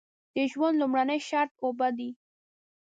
د ژوند لومړنی شرط اوبه دي.